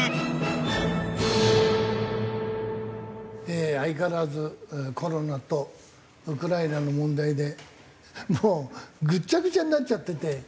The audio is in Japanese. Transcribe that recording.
ええー相変わらずコロナとウクライナの問題でもうぐちゃぐちゃになっちゃっててうん。